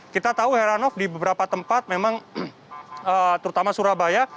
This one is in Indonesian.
kita tahu heranov di beberapa tempat memang terutama surabaya